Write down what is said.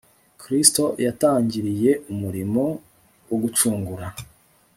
Kristo yatangiriye umurimo wo gucungura